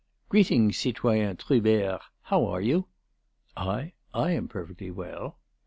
"Greeting, citoyen Trubert. How are you?" "I?... I am perfectly well."